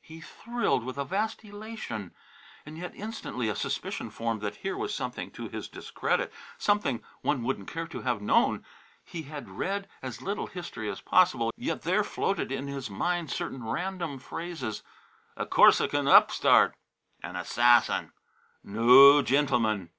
He thrilled with a vast elation; and yet instantly a suspicion formed that here was something to his discredit, something one wouldn't care to have known. He had read as little history as possible, yet there floated in his mind certain random phrases, "A Corsican upstart," "An assassin," "No gentleman!"